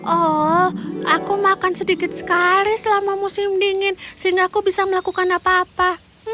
oh aku makan sedikit sekali selama musim dingin sehingga aku bisa melakukan apa apa